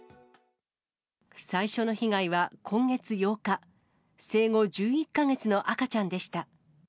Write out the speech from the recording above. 最初の被害は今月８日、生後１１か月の赤ちゃんでした。